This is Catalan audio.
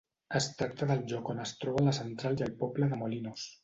Es tracta del lloc on es troba la central i el poble de Molinos.